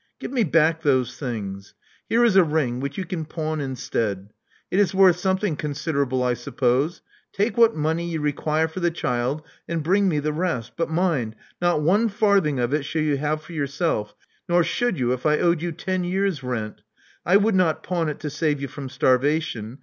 Give me back those things. Here is a ring which you can pawn instead. It is worth something considerable, I suppose. Take what money you require for the child, and bring me the rest. But mind! Not one farthing of it shall you have for yourself, nor should you if I owed you ten years' rent. I would not pawn it to save you from starvation.